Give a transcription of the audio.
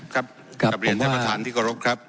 การเรียนเล่นมันทิกรุกครับ